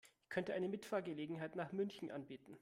Ich könnte eine Mitfahrgelegenheit nach München anbieten